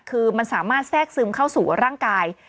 คือมันสามารถแทรกซึมเข้าสู่ร่างกาย